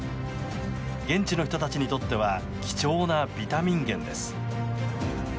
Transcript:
現地の人たちにとっては貴重なビタミン源です。